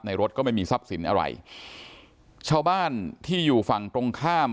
รถก็ไม่มีทรัพย์สินอะไรชาวบ้านที่อยู่ฝั่งตรงข้าม